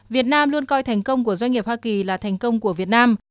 việt nam luôn coi thành công của doanh nghiệp hoa kỳ là thành công của việt nam